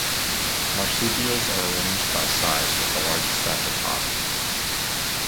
Marsupials are arranged by size, with the largest at the top.